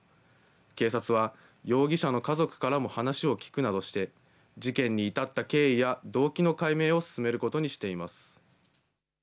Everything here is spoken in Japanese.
警察は容疑者の家族からも話を聞くなどして事件に至った経緯や動機の解明を進めることにしています。